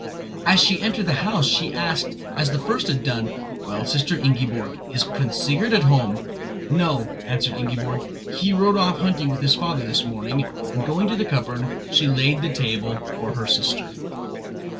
As she entered the house she asked, as the first one had done: "Well, Sister Ingiborg, is Prince Sigurd at home?" "No," answered Ingiborg," he rode off hunting with his father this morning"; and going to the cupboard she laid the table for her sister.